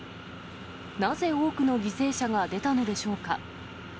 なぜ多くの犠牲者が出たのでしょうか。